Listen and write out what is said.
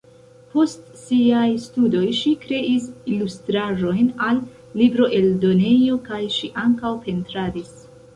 Post siaj studoj ŝi kreis ilustraĵojn al libroeldonejo kaj ŝi ankaŭ pentradis.